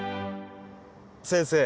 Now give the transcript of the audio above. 先生